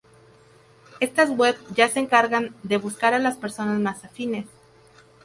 Estas webs ya se encargan de buscar a las personas más afines.